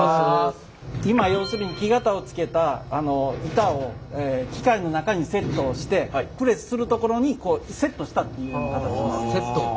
今要するに木型をつけた板を機械の中にセットをしてプレスするところにセットしたっていうような形。